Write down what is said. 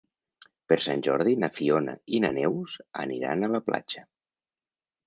Per Sant Jordi na Fiona i na Neus aniran a la platja.